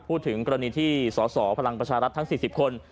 พูดถึงกรณีที่สสพลังประชารัฐทั้ง๔๐คน